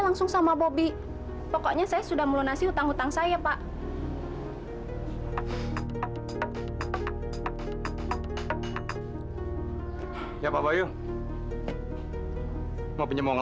langsung sama bobby pokoknya saya sudah melunasi hutang hutang saya pak ya bapak mau pinjam uang